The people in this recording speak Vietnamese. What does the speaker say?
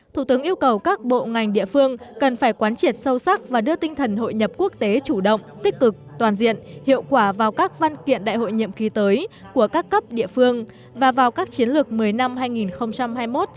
thủ tướng yêu cầu các bộ ngành địa phương cần phải quán triệt sâu sắc và đưa tinh thần hội nhập quốc tế chủ động tích cực toàn diện hiệu quả vào các văn kiện đại hội nhiệm kỳ tới của các cấp địa phương và vào các chiến lược mới năm hai nghìn hai mươi một